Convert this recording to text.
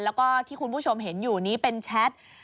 แล้วก็ที่คุณผู้ชมเห็นอยู่นี้เป็นแชท